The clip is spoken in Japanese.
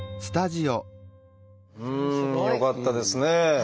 すごい。よかったですね。